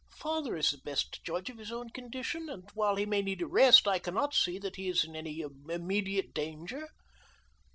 Father is the best judge of his own condition, and, while he may need a rest, I cannot see that he is in any immediate danger."